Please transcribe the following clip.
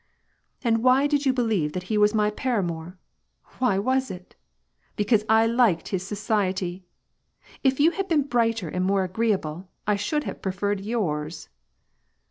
" And why did you believe that he was my paramour ? Why was it ? Because I liked his society ! If you had been brighter and more agreeable, I should have preferred yours."